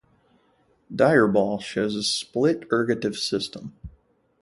Dyirbal shows a split-ergative system.